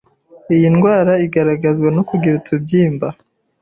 Iyi ndwara igaragazwa no kugira utubyimba